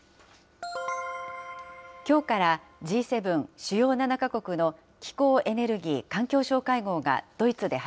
きょうからＧ７・主要７か国の気候・エネルギー・環境相会合